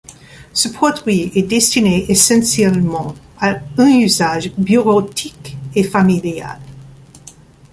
Ce produit est destiné essentiellement à un usage bureautique et familial.